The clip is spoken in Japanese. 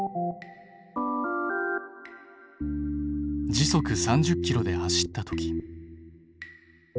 時速３０ｋｍで走った時。